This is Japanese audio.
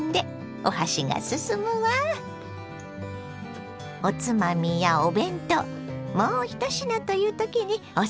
おつまみやお弁当もう一品という時におすすめです。